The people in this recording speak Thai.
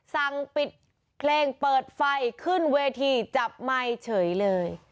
สั่งปิดเพลงเปิดไฟขึ้นเวทีจับไมค์เฉยเลย